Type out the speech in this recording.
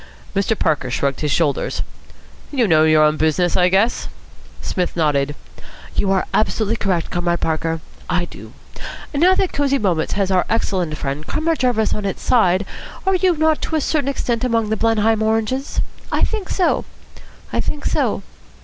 Mr. Parker shrugged his shoulders. "You know your own business, I guess." Psmith nodded. "You are absolutely correct, Comrade Parker. I do. Now that Cosy Moments has our excellent friend Comrade Jarvis on its side, are you not to a certain extent among the Blenheim Oranges? I think so. I think so."